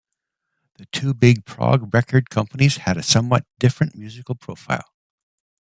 The two big progg record companies had a somewhat different musical profile.